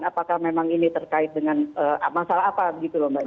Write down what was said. apakah memang ini terkait dengan masalah apa gitu loh mbak